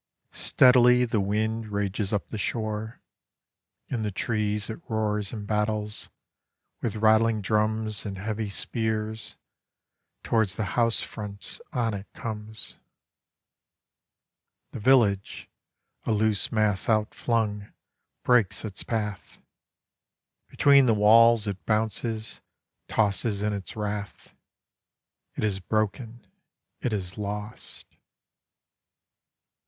Steadily the wind Rages up the shore: In the trees it roars and battles, With rattling drums And heavy spears, Towards the housefronts on it comes. The village, a loose mass outflung, Breaks its path. Between the walls It bounces, tosses in its wrath. It is broken, it is lost.